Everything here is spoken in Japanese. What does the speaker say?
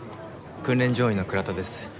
訓練乗員の倉田です。